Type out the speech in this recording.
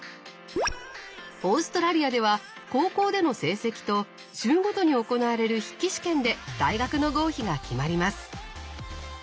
オーストラリアでは高校での成績と州ごとに行われる筆記試験で大学の合否が決まります。